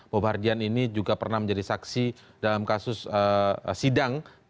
bobardian ini juga pernah menjadi saksi dalam kasus sidang